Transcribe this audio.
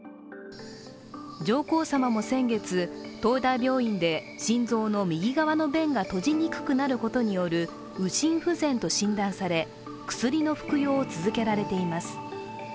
上皇さまも先月、東大病院で心臓の右側の弁が閉じにくくなることによる右心不全と診断され薬の服用を続けられています。